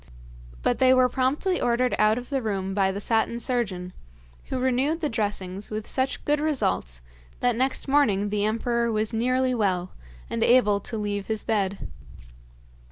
But they were promptly ordered out of the room by the Satin Surgeon, who renewed the dressings with such good results that next morning the emperor was nearly well, and able to leave his bed.